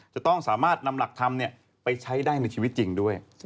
จะต้องสามารถนำหลักธรรมไปใช้ได้ในชีวิตจริงด้วย